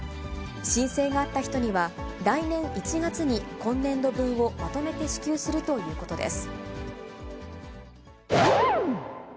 申請があった人には、来年１月に今年度分をまとめて支給するということです。